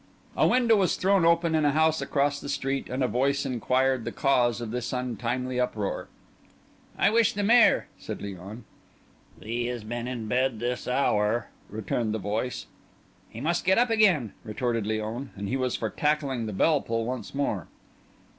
A window was thrown open in a house across the street, and a voice inquired the cause of this untimely uproar. "I wish the Maire," said Léon. "He has been in bed this hour," returned the voice. "He must get up again," retorted Léon, and he was for tackling the bell pull once more.